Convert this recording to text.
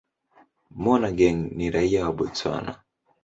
Monageng ni raia wa Botswana.